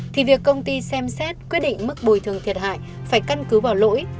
thì việc công ty xem xét quyết định mức bồi thường thiệt hại phải căn cứ vào lỗi